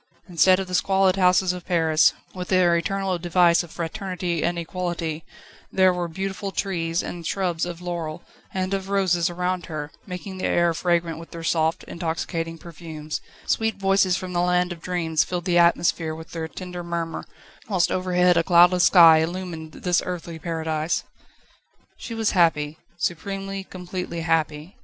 Instead of the squalid houses of Paris, with their eternal device of Fraternity and Equality, there were beautiful trees and shrubs of laurel and of roses around her, making the air fragrant with their soft, intoxicating perfumes; sweet voices from the land of dreams filled the atmosphere with their tender murmur, whilst overhead a cloudless sky illumined this earthly paradise. She was happy supremely, completely happy.